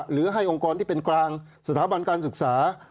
หรือให้องค์กรที่เป็นกลางสถาบันการศึกษา